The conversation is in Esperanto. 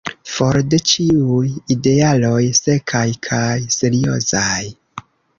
For de ĉiuj idealoj sekaj kaj seriozaj!"